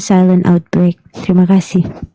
silent outbreak terima kasih